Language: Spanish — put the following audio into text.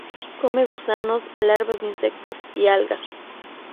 Come gusanos, larvas de insectos y algas.